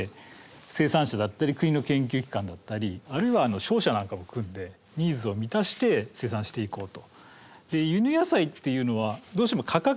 生産者だったり国の研究機関だったりあるいは商社なんかも組んでニーズを満たして生産していこうと。